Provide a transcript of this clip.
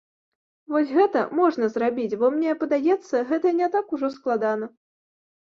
Вось гэта можна зрабіць, бо мне падаецца, гэта не так ужо складана.